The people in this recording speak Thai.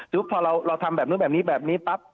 พอเราทำแบบนู้นแบบนี้แบบนี้ปั๊บ